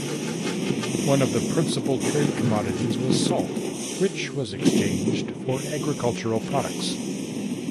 One of the principal trade commodities was salt, which was exchanged for agricultural products.